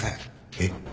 えっ？